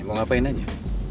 mau ngapain aja